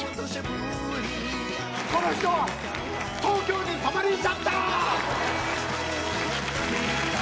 この人は東京に染まりんしゃった！